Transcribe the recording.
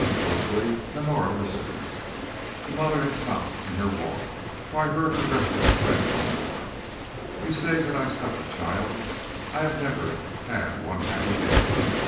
"Willfully! Honora! Listen." The mother had stopped in her walk, for I heard her restless tread no more. "You say that I suffer, child. I have never had one happy day.